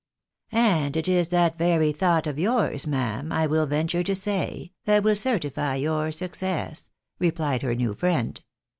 " And it is that very thought of yours, ma'am, I wiU venture to say, that will certify your success," replied her new friend.